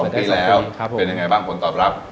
ที่แล้วเป็นยังไงบ้างผลตอบรับ